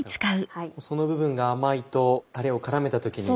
その部分が甘いとタレを絡めた時に。